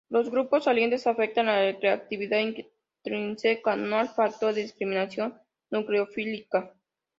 Los grupos salientes afectan la reactividad intrínseca, no el factor de discriminación nucleofílica.